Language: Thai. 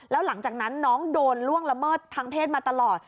แล้วหลังจากนั้นน้องโดนล่วงละเมิดทางเพศมาตลอด